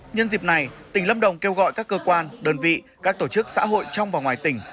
nhân dịp này tỉnh lâm đồng kêu gọi các cơ quan đơn vị các tổ chức xã hội trong và ngoài tỉnh